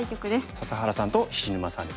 笹原さんと菱沼さんですね。